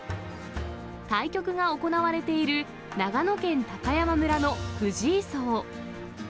対局が行われている長野県高山村の藤井荘。